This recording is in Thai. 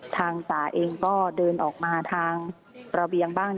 ทางป่าเองก็เดินออกมาทางระเบียงบ้าน